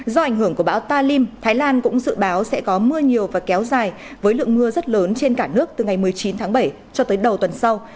do ảnh hưởng của bão talim thái lan cũng dự báo sẽ có mưa nhiều và kéo dài với lượng mưa rất lớn trên cả nước từ ngày một mươi chín tháng bảy cho tới đầu tuần sau